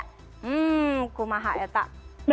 hmm kumaha etak